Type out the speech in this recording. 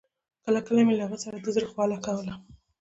کله کله به مې له هغه سره د زړه خواله کوله.